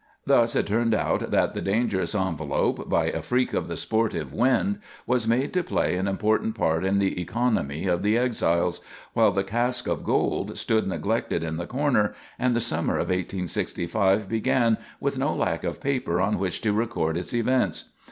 Thus it turned out that the dangerous envelop, by a freak of the sportive wind, was made to play an important part in the economy of the exiles, while the cask of gold stood neglected in the corner, and the summer of 1865 began with no lack of paper on which to record its events.